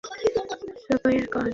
বিজ্ঞাপন মেশিন সারাইয়ের কাজ।